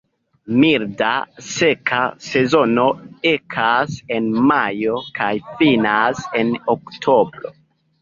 Milda, seka sezono ekas en majo kaj finas en oktobro.